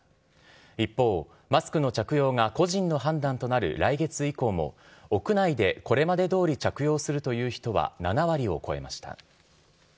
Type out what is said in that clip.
一方、マスクの着用が個人の判断となる来月以降も屋内でこれまでどおり着用するという人は７割を超えました。